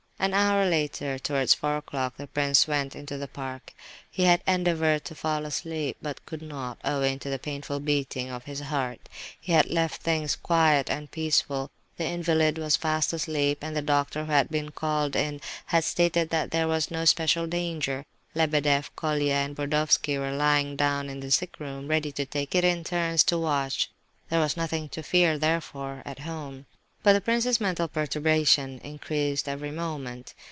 An hour later, towards four o'clock, the prince went into the park. He had endeavoured to fall asleep, but could not, owing to the painful beating of his heart. He had left things quiet and peaceful; the invalid was fast asleep, and the doctor, who had been called in, had stated that there was no special danger. Lebedeff, Colia, and Burdovsky were lying down in the sick room, ready to take it in turns to watch. There was nothing to fear, therefore, at home. But the prince's mental perturbation increased every moment.